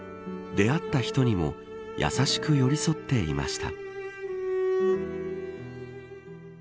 出会った人にも優しく寄り添っていました。